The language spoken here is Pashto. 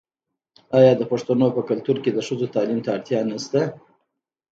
آیا د پښتنو په کلتور کې د ښځو تعلیم ته اړتیا نشته؟